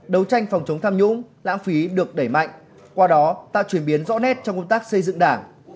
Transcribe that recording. đấu tranh phòng chống tham nhũng lãng phí được đẩy mạnh qua đó tạo chuyển biến rõ nét trong công tác xây dựng đảng